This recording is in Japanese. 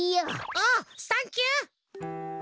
おうサンキュー！